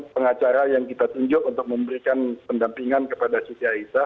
pengacara yang kita tunjuk untuk memberikan pendampingan kepada siti aisah